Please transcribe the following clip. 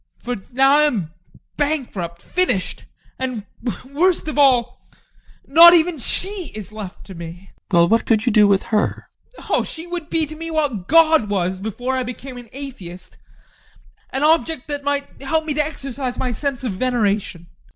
For now I am bankrupt! Finished! And worst of all: not even she is left to me! GUSTAV. Well, what could you do with her? ADOLPH. Oh, she would be to me what God was before I became an atheist: an object that might help me to exercise my sense of veneration.